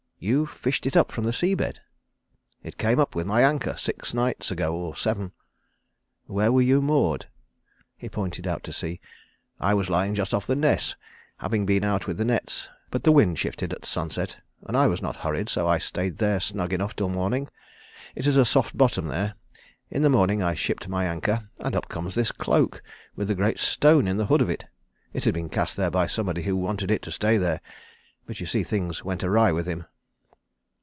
"You fished it up from the sea bed?" "It came up with my anchor six nights ago or seven." "Where were you moored?" He pointed out to sea. "I was lying just off the Ness, having been out with the nets. But the wind shifted at sunset, and I was not hurried, so stayed there snug enough till morning. It is a soft bottom there. In the morning I shipped my anchor, and up comes this cloak with a great stone in the hood of it. It had been cast there by somebody who wanted it to stay there, but you see things went awry with him."